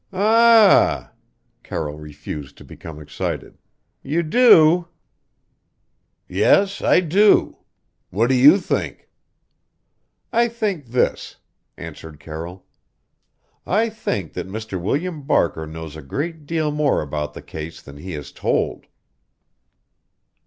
"Aa ah!" Carroll refused to become excited. "You do?" "Yes, I do. What do you think?" "I think this," answered Carroll. "I think that Mr. William Barker knows a great deal more about the case than he has told!"